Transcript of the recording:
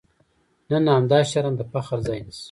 نن همدا شرم د فخر ځای نیسي.